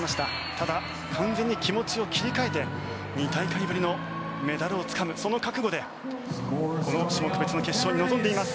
ただ、完全に気持ちを切り替えて２大会ぶりのメダルをつかむその覚悟でこの種目別の決勝に臨んでいます。